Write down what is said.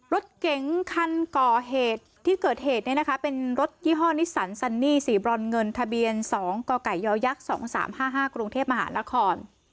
รถเก๋งคันก่อเหตุที่เกิดเหตุเป็นรถยี่ห้อนิสันซันนี่สีบรอนเงินทะเบียน๒กกย๒๓๕๕กรุงเทพมหานคร